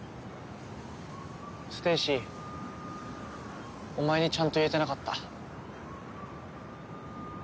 ステイシーお前にちゃんと言えてなかった。